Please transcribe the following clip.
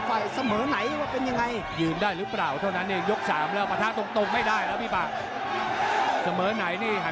แผ่วหรือเปล่าแผ่วหรือเปล่า